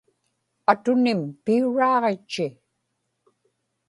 atunim piuraaġitchi